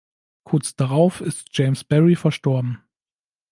Kurz darauf ist James Berry verstorben.